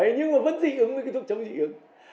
nhưng mà vẫn dị ứng với cái thuốc chống dị ứng